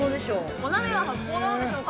おなめは発酵なんでしょうか。